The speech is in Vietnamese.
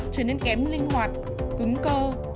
tên kém linh hoạt cứng cơ